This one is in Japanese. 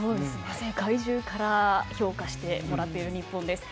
世界中から評価してもらってる日本です。